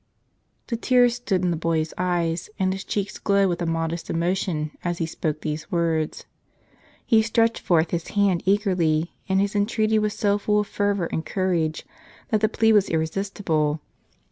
The tears stood in the boy's eyes, and his cheeks glowed with a modest emotion as he spoke these words. He stretched forth his hands eagerly, and his entreaty was so full of fervor and courage that the plea was irresistible.